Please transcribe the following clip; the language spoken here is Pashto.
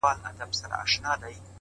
لوړ هدفونه ژوره ژمنتیا غواړي’